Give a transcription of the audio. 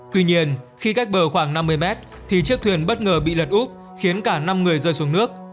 tuy nhiên khi cách bờ khoảng năm mươi mét thì chiếc thuyền bất ngờ bị lật úp khiến cả năm người rơi xuống nước